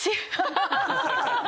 ハハハハハ！